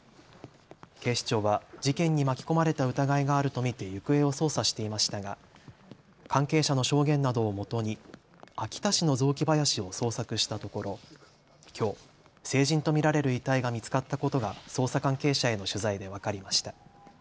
警視庁は事件に巻き込まれた疑いがあると見て行方を捜査していましたが関係者の証言などをもとに秋田市の雑木林を捜索したところ、きょう、成人と見られる遺体が見つかったことが捜査関係者への取材で分かりました。